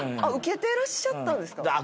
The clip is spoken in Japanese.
受けてらっしゃったんですか？